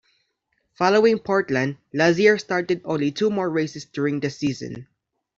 Following Portland, Lazier started only two more races during the season.